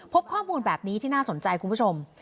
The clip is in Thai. พบข้อมูลแบบนี้ที่น่าสนใจคุณผู้ชม